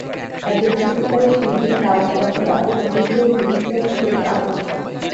একজন সত্যিকারের শিল্পীর কাজ অথবা কোন ভূত, ভবিষ্যৎ থেকে আগত।